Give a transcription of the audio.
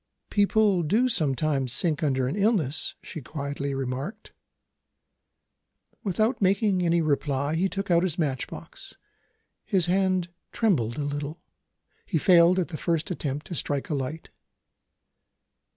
"People do sometimes sink under an illness," she quietly remarked. Without making any reply he took out his matchbox. His hand trembled a little; he failed at the first attempt to strike a light.